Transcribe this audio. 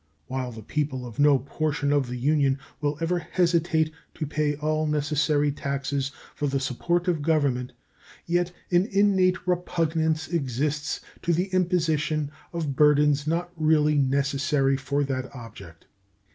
While the people of no portion of the Union will ever hesitate to pay all necessary taxes for the support of Government, yet an innate repugnance exists to the imposition of burthens not really necessary for that object.